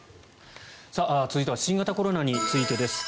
続いては新型コロナについてです。